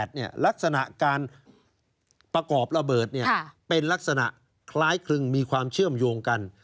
ลักษณะการประกอบระเบิดเป็นลักษณะคล้ายคลึงมีความเชื่อมโยงกัน